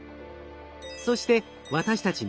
そして私たち